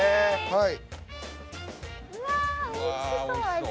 はい。